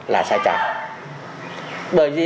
là sai trả bởi vì